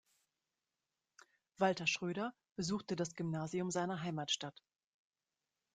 Walter Schröder besuchte das Gymnasium seiner Heimatstadt.